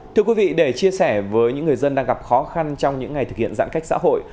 thưa quý vị để chia sẻ với những người dân đang gặp khó khăn trong những ngày thực hiện giãn cách xã hội